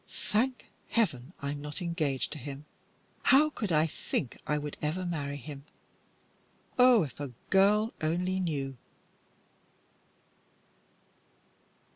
"Thank Heaven, I'm not engaged to him. How could I think I would ever marry him? Oh, if a girl only knew!"